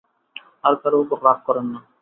আর কারও উপর রাগ করেন না।